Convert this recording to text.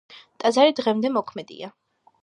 ტაძარი დღემდე მოქმედია.